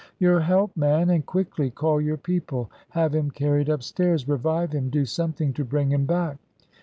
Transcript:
"Your help, man, and quickly! Call your people! Have him carried upstairs! Revive him! do something to bring him back!"